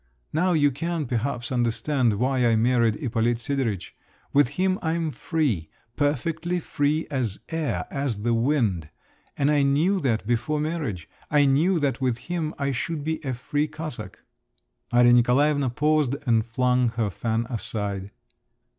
Now you can, perhaps, understand why I married Ippolit Sidoritch: with him I'm free, perfectly free as air, as the wind…. And I knew that before marriage; I knew that with him I should be a free Cossack!" Maria Nikolaevna paused and flung her fan aside.